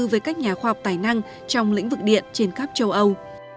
với các nhà khoa học tài năng trong lĩnh vực điện trên khắp châu âu